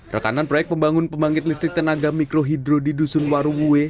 rekanan proyek pembangun pembangkit listrik tenaga mikrohidro di dusun waruwe